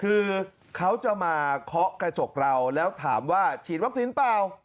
คือเขาจะมาเคาะกระจกเราแล้วถามว่าฉีดวัคซีนเปล่า